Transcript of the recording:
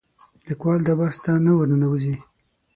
لیکوال دا بحث ته نه ورننوځي